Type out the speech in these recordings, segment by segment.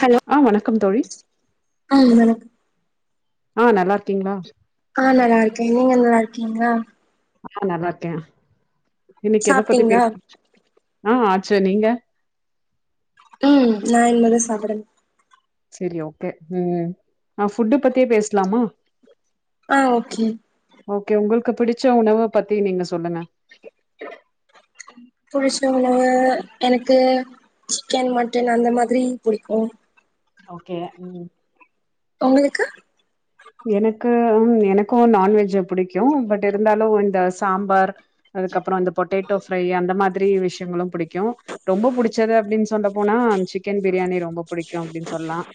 Hello ஆ வணக்கம் தோழி ஆ ஆ நல்லா இருக்கீங்களா ஆ நல்லா இருக்கேன் நீங்க நல்லா இருக்கீங்களா ஆ நல்லா இருக்கேன் இன்னைக்கு எத பத்தி பே சாப்ட்டீங்களா ஆ ச நீங்க ம் நா இனிமே தா சாப்பிடணு சரி ஓகே ம் ஆ ஃபுட் பத்தியே பேசலாமா ஆ ஓகே ஓகே உங்களுக்கு பிடிச்ச உணவ பத்தி நீங்க சொல்லுங்க புடிச்ச உனவு எனக்கு சிக்கன் மட்டன் அந்த மாதிரி புடிக்கும் ஓகே ம் உங்களுக்கு எனக்கு எனக்கும் நான்வெஜ் புடிக்கும் பட் இருந்தாலு இந்த சாம்பார் அதுக்கப்றோ இந்த பொட்டேட்டோ ஃப்ரை அந்த மா திரி விஷயங்களும் பிடிக் கும் ரொம்ப புடிச்சது அப்டின்னு சொல்ல போனா சிக்கன் பிரியாணி ரொம்ப பிடிக்கும் அப்டின்னு சொல்லலாம்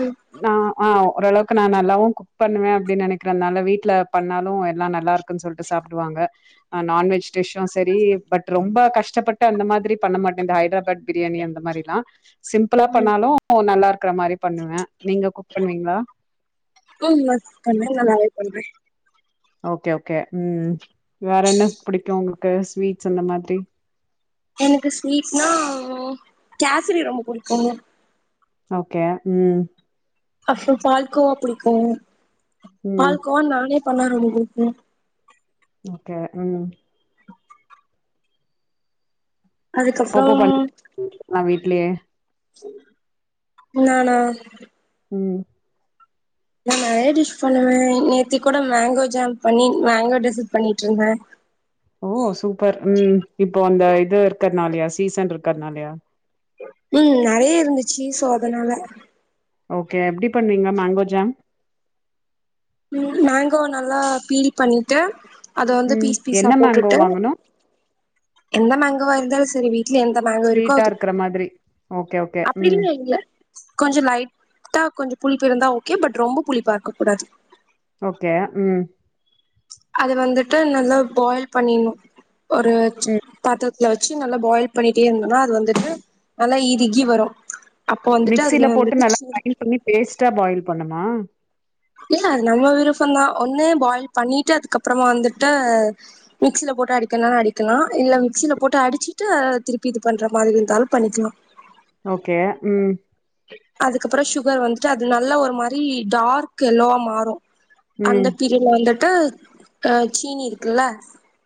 ம் ஆ அ ஓரளவுக்கு [unintelligible] [unintelligible] குக் பண்ணுவேன் அப்டி நெனைக்கிறனால வீட்ல பண்ணாலும் எல்லா நல்லா இருக்குனு சொல்லட்டு சாப்டுவாங்க நான் வெஜ் ஃபிஷ்யும் சேரி பட் ரொம்ப கஷ்ட் கஷ்டப்பட்டு அந்த மாதிரி பண்ண மாட்டன் இந்த ஹைதராபாத் பிரியாணி அந்த மாதிரிலாம் சிம்பிளா ம் பண்ணாலும் நல்லா இருக் இருக்கிற மாரி பண்ணுவன் நீங்க குக் பண்ணுவீங்களா ம் [unintelligible] பண்றேன் ஓகே ஓகே ம் வேற என்ன புடிக்கும் உங்களுக்கு ஸ்வீட்ஸ் அந்த மாதிரி எனக்கு ஸ்வீட்னா கேசரி ரொம்ப புடிக்கும்ங்க ஓகே ம் அப்றொ பால்கோவா புடிக்கு ம் பால் கோவா நானே பண்ணா ரொம்ப புடிக்கு ஓகே ம் ம் அதுக்கப்றொ அப்பப்போ பண்ணுவீங்களா வீட்லயே நானா ம் நா நெறையா டிஷ் பண்ணுவே நேத்தி கூடொ மேங்கோ ஜாம் பண்ணி மேங்கோ டெசெர்ட் பண்ணிட்ருந்தே ஓ சூப்பர் ம் இப்போ அந்த இது இருக்கற்துனாலயா சீசன் இருக்கற்துனாலயா ம் நெறைய இருந்துச்சு சோ அதனால ஓகே எப்டி பண்ணுவீங்க மேங்கோ ஜாம் ம் மேங்கோ நல்லா பீல் பண்ணிட்டு அத வந்து ம் பீஸ் பீஸா என்ன மேங்கோ போட்டுட்டு வாங்கணு எந்த மேங் எதுவா இருந்தாலு சரி வீ ட்ல எந்த மேங்கோ இருக்கோ ஸ்வீட்டா அது இருக்கற மாதிரி ஓகே ஓகே அப்படி ம் இல்ல இங்க கொஞ்சொ லைட்டா கொஞ்சொ புளிப் ப்பு இருந்தா ஓகே பட் ரொம்ப புளிப்பார்க்கக் கூடாது ஓகே ம் அது வந்துட்டு நல்லா பாயில் பண்ணின்ணு ஒரு ம் பாத்தரத்துல வச்சு நல்லா பாயில் பண்ணிட்டே இருந்தோன்னா அது வந்துட்டு நல்லா இருகி வரு அப்போ வந்துட்டு மிக்சீல அதுல போட்டு வந்துட்டு நல்லா சீனி கிரைண்ட் பண்ணி பேஸ்ட்டா பாயில் பண்ணுமா இல்ல அது நம்ம விருப்போந்தா ஒன்னு பாயில் பண்ணிட்டு அதுக்கப்புறமா வந்துட்டு மிக்சில போட்டு அடிக்கனனு அடிக்கலா இல்ல மிக்சில போட்டு அடிச்சிட்டு திருப்பி இது பண்ற மாரி இருந்தாலு பண்ணிக்கலா ஓகே ம் அதுக்கப்புறொ ஷுகர் வந்துட்டு அது நல்லா ஒரு மாரி டார்க் எல்லோவா மாறு அந்த ம் பீரியட்ல வந்துட் ட்டு ஆ சீனி இருக்குல்ல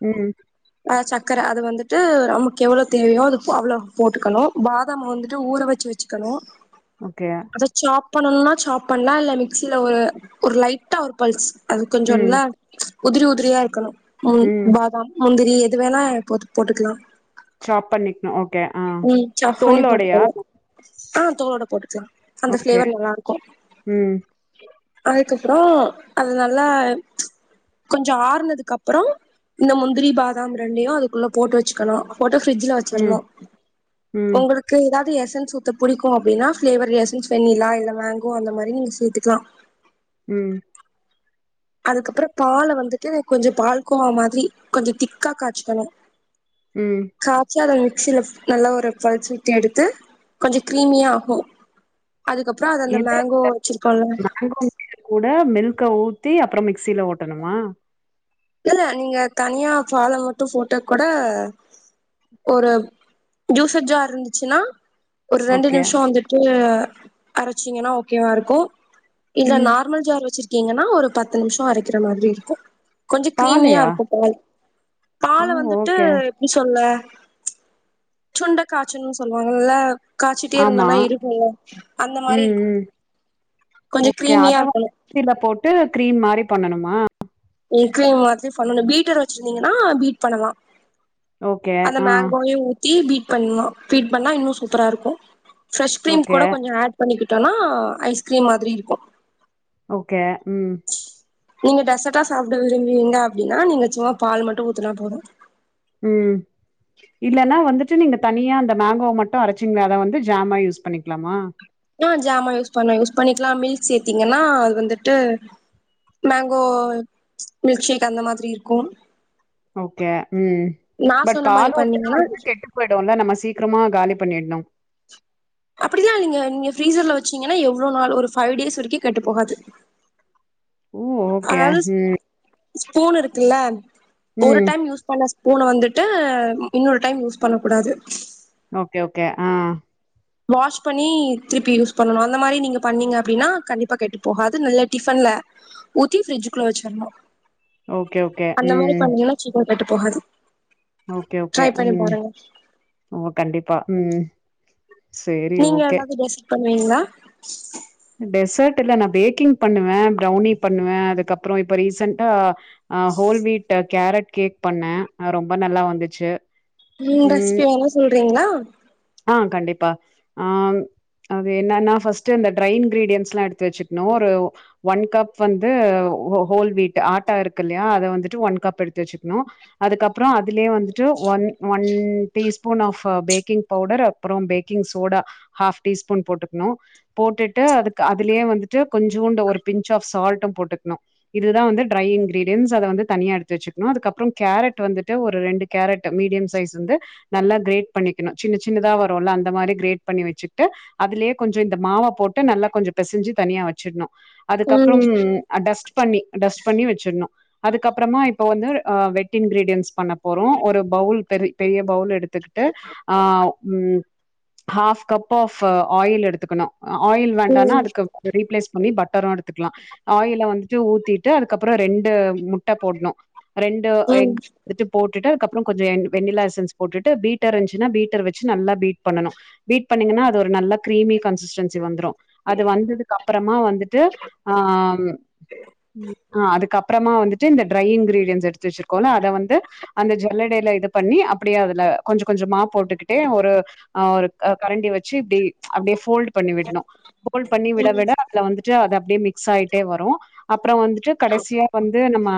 ம் ஆ சக்கர அது வந்துட்டு நமக்கு எவ்ளோ தேவையோ அது அவ்ளோ போட்டுக்கணு பாதாம் வந்துட்டு ஊற வச்சு வச்சுக்கணு ஓகே அத சாப் பண்ணணுன்னா சாப் பண்லா இல்ல மிக்ஸில ஒரு ஒரு லைட்டா ஒரு பல்ஸ் அது ம் கொஞ்சொர்ந்தா உதிரி உதிரியா இருக்கணு ம் பாதாம் முந்தி ரி எது வேணா போத் போட்டுக்கலா சாப் பண்ணிக்ணு ஓகே ஆ ம் சாப் பண்ணி தோலோடையா போட்டுக்கலா ஆ தோலோட போடுக்களா அந்த ஓகே பிஃளேவர் நல்லா இருக்கு ம் அதுக்கப்புறொ அது நல்லா கொஞ்சொ ஆற்னதுக்கு அப்புறொ இந்த முந்திரி பாதாம் ரெண்டையு அதுக்குள்ள போட்டு வச்சுக்கலா போட்டு பிரிஜ்ஜில ம் வச்சிறனு ம் உங்களுக்கு ஏதாவது எஸ் டன் சூப்ப பிடிக்கும் அப்டின்னா பிளேவர் எசன்ஸ் வெண்ணிலா இல்ல மேங்கோ அந்த மாரி நீங்க சேத்துக்கலாம் ம் அதுக்கப்புறம் பால வந்துட்டு கொஞ்சம் பால்கோவ மாதிரி கொஞ்சம் திக்கா காய்ச்சிக்கனும் ம் காச்சாத சில நல்லா ஒரு ஃபல்ஸ் விட்டு எடுத்து கொஞ்சம் கிரீமியா ஆகும் அதுக்கப்புறம் அத அந்த எது மேங்கோ வச்சிருக்கோம் இல்ல க ஊத்தி அப்புறம் மிக்சியில ஓட்டணுமா தெல்ல நீங்க தனியா பால மட்டும் போட்டாக்கூட ஒரு ஜூசர் ஜார் இருந்துச்சுன்னா ஒரு ரெண்டு ஓகே நிமிஷம் வந்துட்டு அரைச்சிங்கன்னா ஓகேவா இருக்கும் இல்ல ம் நார்மல் ஜார் வச்சிரு கிங்கன்னா ஒரு பத்து நிமிஷம் அரைக்கிற மாதிரி இருக்கும் கொஞ்சம் கிரீமியா பாலையா இருக்கும் பால் பால ஓ வந்துட்டு ஓகே எப்டி சொல்ல சுண்ட காய்ச்சினு சொல்லுவாங்க இல்ல காய்ச்சிட்டே ஆமா இருந்தோனா இருகும் இல்ல அந்த மாரி ம் இருக்கனு ம் கொஞ்ச கிரீமியா இருக்கணும் டு கிரீம் மாரி பண்ணணுமா ம் கிரீம் மாதிரி பண்ணணும் பீட்டர் வச்சிருந்தீங்கன்னா பீட் பண்ணலாம் ஓகே ஆ தி பீட் பண்ணணும் பீட் பண்ணா இன்னும் சூப்பரா இருக்கும் ப்ரெஷ்க்கிரிம் ஓகே கூட கொஞ்சோ ஆட் பண்ணிக்கிட் டனா ஐஸ்கிரீம் மாதிரி இருக்கும் ஓகே ம் நீங்க டெசர்டா சாப்ட விரும்புவீங்க அப்டின்னா நீங்க சும்மா பால் மட்டும் ஊத்தனா போதும் ம் இல்லன்னா வந்து ட்டு நீங்க தனியா அந்த மேங்கோவும் மட்டும் அரைச்சிங் நேரா வந்து ஜாமா யூஸ் பண்ணிக்கலாமா ஆ ஜாமா யூஸ் பண்ண யூஸ் பண்ணிக்கலா மில்க் சேத்தீங்கன்னா அது வந்துட்டு மேங்கோ மில்க் ஷேக் அந்த மாதிரி இருக்கும் ஓகே ம் பட் சொன்ன மாரி பால் ஊத்தனா பண்ணீங்கன்னா வந்து கெட்டு போய்டும் இல்ல நம்ம சீக்கிரமா காலி பண்ணிடுணும் அப்படிலான் இல்லைங்க நீங்க ஃபிரிசர்ல வச்சீங்கன்னா எவ்ளோ நாள் ஒரு ஃபைவ் டேஸ் வரைக்கும் கெட்டு போகாது ஓ ஓகே அதாவது ம் ஸ்பூன் இருக்கு இல்ல ஒரு ம் டைம் யூஸ் பண்ண ஸ் பூனா வந்துட்டு இன்னொரு டைம் யூஸ் பண்ண கூடாது ஓகே ஓகே ஆ வாஷ் பண்ணி திருப்பி யூஸ் பண்ணணு அந்த மாரி நீங்க பண்ணீங்க அப்டின்னா கண்டிப்பா கெட்டு போகாது நல்ல டிஃபன்ல ஊத்தி பிரஃரிட்ஜுக்குள்ள வச்சுரணு ஓகே ஓகே அந்த மாரி ம் பண்ணா வச்சிக்கோ கெட்டு போகாது ஓகே ஓகே ட்ரை பண்ணி ம் பாருங்க ஓ கண்டிப்பா ம் சேரி நீங்க ஓகே ஏதாவது ரெசிபி பண்ணுவீங்களா டெசர்ட் இல்ல நா பேக்கிங் பண்ணுவே ஃப்ரௌணி பண்ணுவே அதுக்கப்றொ இப்ப ரீசன்டா அ ஹோல் வீட்டு கேரட் கேக் பண்ணே அது ரொம்ப நல்லா வந்துச்சு ம் ரெசிபி வேண்ணா சொல்றீங்களா ஆ கண்டிப்பா ஆம் அது என்னென்னா பஃஸ்ட்டு இந்தட் ட்ரை இன்கிரீடியன்ஸ்லா எடுத்து வச்ச்சுக்கனு ஒரு ஒன் கப் வந்து ஓ ஹோல் வீட் ஆட்டா இருக்கு இல்லயா அத வந்துட்டு ஒன் கப் எடுத்து வச்சக்கணு அதுக்கப்றொ இதுலயே வந்துட்டு ஒன் ஒன் ம் டீஸ்பூன் ஆஃப்பு பேக்கிங் பவுடர் அப்புறம் பேக்கிங் சோடா ஹாஃப் டீஸ்பூன் போட்டுக்கணு போட்டுட்டு அதுக்கு அதுலயே வந்துட்டு கொஞ்சோண்டு ஒரு பின்ச் ஆஃப் சால்ட்டு போட்டுக்ணு இதுதா வந்து ட்ரை இன்கிரீடியன்ஸ் அத வந்து தனியா எடுத்து வச்சுக்கணு அதுக்கப்றொ கேரட் வந்துட்டு ஒரு ரெண்டு கேரட்டு மீடியம் சைஸ் வந்து நல்லா கிரேட் பண்ணிக்கணு சின்ன சின்னதா வருல்ல அந்த மாரி கிரேட் பண்ணி வச்சுிட்டு அதுலயே கொஞ்சொ இந்த மாவப் போட்டு நல்லா கொஞ்சோ பெசன்ஜி தனியா வச்சிட்ணு அதுக்கப்புறம் ம் அ டஸ்ட் பண்ணி டஸ்ட் பண்ணி வச்சிண்ணு அதுக்கப்புறமா இப் ப்போ வந்து ஆ வெட் இன்கிரீடியன்ஸ் பண்ண போறோ ஒரு பவுல் பெரி பெரிய பவுல் எடு த்துக்கிட்டு ஆ ம் ஹாஃப் கப் ஆஃப் ஆயில் எடுத்துக்கணு ஆயில் வேண்டான்னா ம் அதுக்கு ரீப்ளேஸ் பண்ணி பட் ட்டரு எடுத்துக்கலா ஆயில வந்துட்டு ஊத்திட்டு அதுக்கப்புறொ ரெண்டு முட் ட்டபோட்னு ரெண்டு ம் எக் வித் போட் ட்டுட்டு அதுக்கப்புறொ கொஞ்சோ எண் வெண்ணிலா எசன்ஸ் போட்டுட்டு பீட்டர் இருந்துச்சுன்னா பீட்டர் வச்சு நல்லா பீட் பண்ணனு பீட் பண்ணிங்கன்னா அது ஒரு நல்லா க்ரீமி கன்சிஸ்டெண் ன்சி வந்துரு அது வந்ததுக்கப்றமா வந்துட்டு ஆம் ஆ அதுக்கப்றமா வந்துட்டு இந்த டிரை இன்கிரிடியன்ஸ் எடுத்து வச்சிருக்கோல்ல அத வந்து அந்த ஜல்லடைல இது பண்ணி அப்படியே அதுல கொஞ்சோ கொஞ்சமா போட்டுக்கிட்டே ஒரு ஆ ஒரு க கரண்டி வச்சு இப்டி அப்டியே ஃபோல்ட் பண்ணி விட்ணு போஃல்ட் பண்ணி விட ம் விட அதுல வந்துட்டு அத ப்டே மிக்ஸ் ஆயிட்டே வரு அப் அப்றொ வந்துட்டு கடைசியா வந்து நம்ம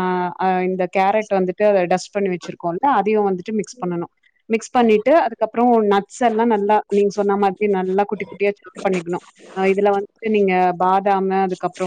ஆ இந்த கேரட் வந்துட்டு அத டஸ்ட் பண்ணி வச்சிருக்கோல்ல அதையு வந்துட் ட்டு மிக்ஸ் பண்ணணு மிக்ஸ் பண்ணிட்டு அதுக்கப்றொ நட்ஸ் எல்லா நல்லா நீங்க சொன்ன மாதிரி நல்லா குட்டி குட்டியா சாப் பண்ணிக்கணு ஆ இதுல வந்துட்டு நீங்க பாதாமு அதுக்கப்றொ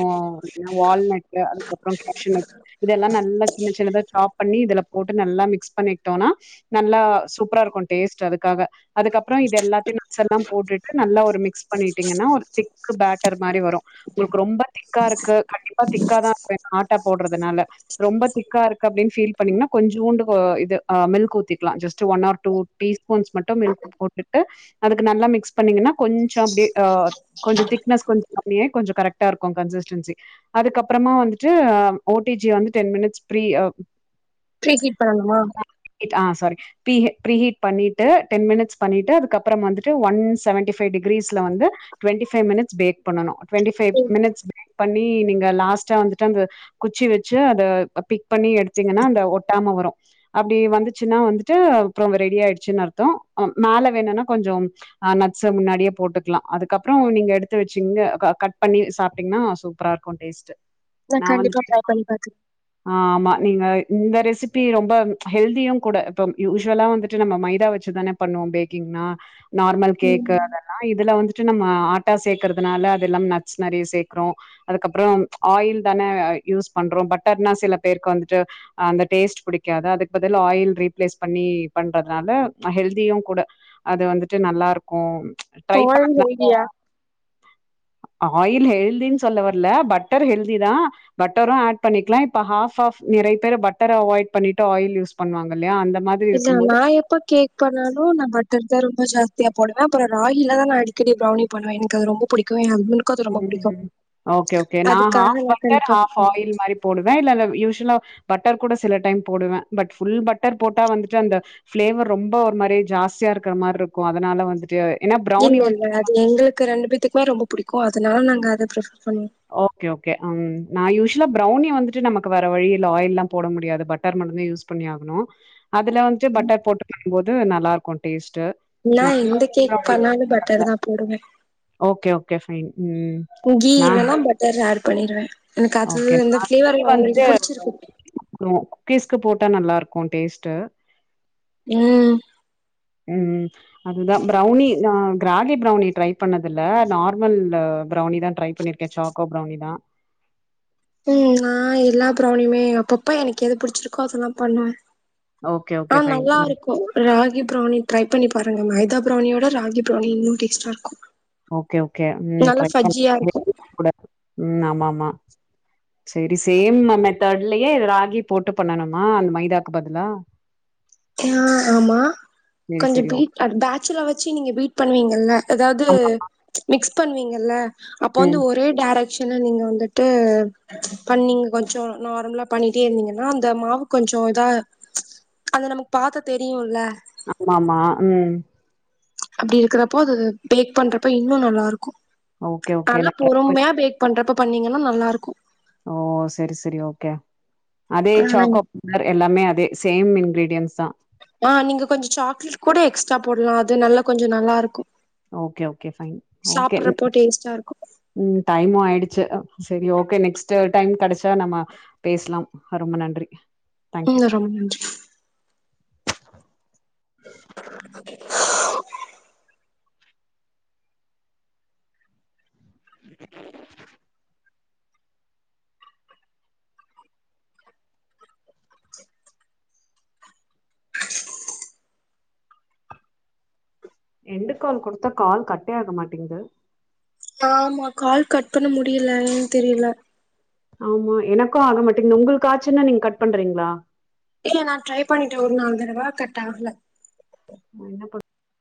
வால்நட்டு அதுக்கப்றொ கேஷுனட் இதெல்லா நல்லா சின்ன சின்னதா சாப் பண்ணி இதுல போட்டு நல்லா மிக்ஸ் பண்ணிட் ட்டோனா நல்லா சூப்பரா இருக்கு டேஸ்ட் அதுக்காக அதுக்கப்றொ இதெல்லாத்தையு நட்ஸ்ஸெல்லா போட்டுட்டு நல்லா ஒரு மிக்ஸ் பண்ணிட்டீங்கன்னா ஒரு திக் பேட்டர் மாரி வரு உங்களுக்கு ரொம்ப திக்கா இருக்கு கண்டிப்பா திக்காதா இருக்கு ஏன்னா ஆட்டா போட்றதுனால ரொம்பத் திக்கா இருக்கு அப்டின்னு பீஃல் பண்ணீங்கன்னா கொஞ்சூண்டு வ இது மில்க் ஊத்திக்கலா just one or two teaspoons மட்டு மில்க் போட்டுட்டு அதுக்கு நல்ல மிக்ஸ் பண்ணீங்கன்னா கொஞ் ஞ்சோ அப்டி அ கொஞ்சோ திக்னஸ் கொஞ்ச கம்மியே கொஞ்சோ கரெக்டா இருக்கு கசிஸ்டன்சி அதுக்கப்றமா வந்துட்டு அ ஓ டி ஜி வந் டென் மினிட்ஸ் ப்ரி அ ப்ரீஹீட் பண்ணணுமா ஹீட் ஆ சாரி பீஹீ் ப்ரீஹீட் பண்ணிட்டு டன் மினிட்ஸ் பண்ணிட்டு அதுக்கப்புறம் வந்துட்டு ஒன் செவன்டி ஃபைவ் டிகிரீஸ் ஸ்ல வந்து டுவென்டி ஃபை மினிட்ஸ் பேக் பண்ணலா டுவென்டி ஃபை ம் மினிட்ஸ் பேக் பண்ணி நீங்க லாஸ்ட்டா வந்துட்டு அந்த குச்சி வச்சு அந்த பிக் பண்ணி எடுத்தீங்கன்னா அந்த ஒட்டாம வரு அபடி வந்துச்னா வந்துட் ப்ரோ ரெடி ஆயிட்ச்னு அர்த்தோ நாள வேணுன்ணா கொஞ்சோ அ நட்ஸ் முன்னாடியே போட்டுக் லா அதுக்கப்றோ நீங்க எடுத்து வச்சீங்க கட் பண்ணி சாப்பிட்டீங்கன்னா சூப்பரா இருக்கு டேஸ்ட்டு ந கண்டிப்பா ட்ரை பண்ணி பாத்து ஆமா. நீங்க இந்த ரெசிபி ரொம்ப ஹெல்தியும் கூட இப்ப யூஸ்ுவலா வந்துட்டு நம்ம மைதா வச்சுதானே பண்ணுவோ பேக்கிங்னா நார்மல் கேக்கு ம் அதெல்லா இதுல வந்துட்டு நம்ம ஆட்டா சேர்க்கறதுனால அததுெல்லா நட்ஸ் நெறைய சேர்க்குறோ அதுக்கப்றோ ஆயில் தானே யூஸ் பண்றோ பட்டர்னா சில பேருக்கு வந்துட்டு அந்த டேஸ்ட் பிடிக்காது அதுக்கு பதில் ஆயில் ரீப்ளேஸ் பண்ணி பண்றதுனால ஹெல்தியு கூட அது வந்துட்டு நல்லா இருக்கு ஆயில் ஹெல்தியா ஆயில் ஹெல்தினு சொல்ல வர்ல பட்டர் ஹெல்திதா பட்டரும் ஆட் பண்ணிக்கலா இப்ப ஹாஃப் ஹாஃப் நெறய பேர் பட்டர அவாய்ட் பண்ணிட் ஆயில் யூஸ் பண்ணுவாங்கல்லையா அந்த மாதிரி இல்ல இருக்கும்போது நா எப்ப கேக் பண்ணாலு நா பட் டர் தா ரொம்ப ஜாஸ்தியா போடுவே அப்றோ ராகில தா நா அடிக்கடி ப்ரௌனி பண்ணுவே அது எனக்கு ரொம்ப பிடிக்கு என் ம் ஓகே ஓகே நா அதுக்காக ஹாஃப் நா பட்டர் கண்டிப்பா ஹாஃப் பண்ணுவே ஆயில் மாரி போடுவே இல்ல இ யூஷ்லா பட்டர் கூட சில டைம் போடுவே பட் ஃபுல் பட்டர் போட்டா வந்துட்டு அந்த ஃபிளேவர் ரொம்ப ஒரு மாரி ஜாஸ்தியா இருக்கிற மாரி இருக்கு அதனால வந்துட்டு ஏன்னா இல்ல ப்ரௌனி வந்து இல்ல அது எங்களுக்கு ரெண்டு பேத்துக்குமே ரொம்ப புடிக்கும் ஓ அதனால நாங்க அத பிரஃபர் ஓகே ஓகே அம் நா யூஷ் லா ப்ரௌனி வந்துட்டு நமக்கு வர வழியில்ல ஆயில்லா போட முடியாது பட்டர் மட்டுந்தா யூஸ் பண்ணி ஆகணு அதுல வந்துடு பட்டர் போட்டு பண்ணு போது நல்லா இருக்கு டேஸ்ட் நா எந்த கேக் பண்ணாலு பட்டர் தா போடுவே அயின் ம் நான் லல்லா பட்டர் அடு பண்ணிடுவே ஓகே நா கீ வந்து புடிச்சிருக்கு குக்கீஸ்கு போட்டா நல்லா இருக்கு டேஸ்ட் ட்டு ம் ம் அதுதா ப்ரௌனி நா ராகி ப்ரௌனி ட்ரை பண்ணது இல நார்மல் ப்ரௌனி தா ட்ரை பண்ணிருக்கே சாக்கோ ப்ரௌனி தா ம் நா எல்லா ப்ரௌனியுமே அப்பப்போ எனக்கு எது புடிச்சிருக்கோ அதெல்லா பண்ணுவே ஓகே, ஓகே. ஆ ஃபைன். நல்லா ம். இருக்கு ராகி ப்ரௌனி ட்ரை பண்ணி பாருங்க மைதா ப்ரௌணியோட ராகி ப்ரௌணி இன்னும் டேஸ்டா இருக்கும் ஓகே ஓகே ம் ட்ரை இருக்கு பண்லாம் [inaudible] ம் ஆமா ஆமா சரி சேம் மெ மெத்தட்லயே ராகி போட்டு பண்ணணுமா அந்த மைதாக்கு பதிலா ஆ ஆமா செரி கொஞ்சம் செரி ஓ பீட் அது பேட்ச்சில வச்சி நீங்க பீட் பண்ணுவீங்கல்ல அதாவது ஆமா மிக்ஸ் பண்ணுவீங்க இல்ல அப்போ வந்து ம் ஒரே டேரக்ட் ஷனா நீங்க வந்துட்டு பண்ணீங்க கொஞ்சம் நார்மலா பண்ணிட்டே இருந்தீங்கன்னா அந்த மாவு கொஞ்சோம் இதா அந்த நமக்கு பாத்தா தெரியும் இல்ல ஆமாமா ம் அப்டி இருக்கறப்போ அது பேக் பண்றப்போ இன்னும் நல்லா இருக்கும் ஓகே ஓகே நல்ல நா ட்ரை பண் பொருமையா பேக் பண்றப்ப பண்ணீங்கன்னா நல்லா இருக்கும் ஓ சரி சரி ஓகே அதே ஆ சாக்கோ பார் எல்லாமே அதே சேம் இன்கிரீ டியன்ஸ்தா ஆ நீங்க கொஞ்சம் சாக்லேட் கூட எக்ஸ்ட்ரா போடலாம் அது நல்லா கொஞ்சம் நல்லா இருக்கும் ஓகே ஓகே ஃபைன் ஓகே டேஸ்ட்டா இருக்கு ம் டைமும் ஆயிடுச்சு சரி ஓகே நெக்ஸ்ட் டைம் கெடச்சா நம்ம பேசலாம் ரொம்ப நன்றி உம் தேங்க்யூ ரொம்ப நன்றி எண்டுகால் கொடுத்தா கால் கட்டே ஆக மாட்டிங்குது ஆமா கால் கட் பண்ண முடியல என்னான்னு தெரில ஆமா எனக்கும் ஆக மாட்டேங்குது உங்களுக்கு ஆச்சின்ன நீங்க கட் பண்றீங்களா இல்ல நான் ட்ரை பண்ணிட்டேன் ஒரு நாலு தடவை கட் ஆகல ஆ என்ன பண்